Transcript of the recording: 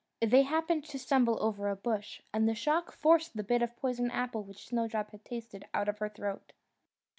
They happened to stumble over a bush, and the shock forced the bit of poisoned apple which Snowdrop had tasted out of her throat.